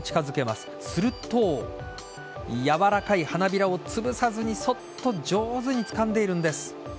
するとやわらかい花びらをつぶさずにそっと上手につかんでいるんです。